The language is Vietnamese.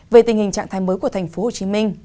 về tình hình trạng thái mới của tp hcm